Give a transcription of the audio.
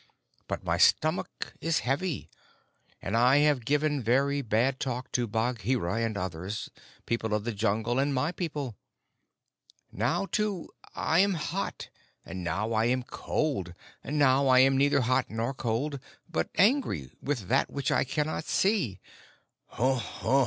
But my stomach is heavy, and I have given very bad talk to Bagheera and others, people of the Jungle and my people. Now, too, I am hot and now I am cold, and now I am neither hot nor cold, but angry with that which I cannot see. Huhu!